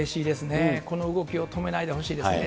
この動きを止めないでほしいですね。